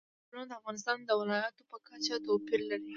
چنګلونه د افغانستان د ولایاتو په کچه توپیر لري.